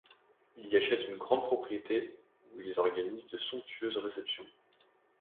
Il y achète une grande propriété où ils organisent de somptueuses réceptions.